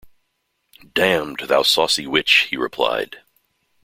‘Damned — thou saucy witch!’ he replied.